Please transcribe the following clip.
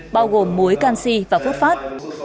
bao gồm mối canxi và phốt phát